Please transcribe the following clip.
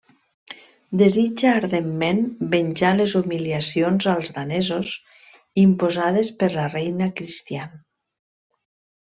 Desitja ardentment venjar les humiliacions als danesos imposades per la reina Cristian.